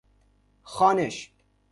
خوانش